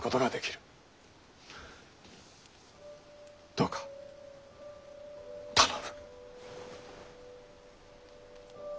どうか頼む。